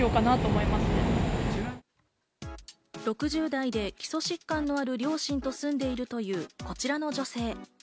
６０代で基礎疾患のある両親と住んでいるというこちらの女性。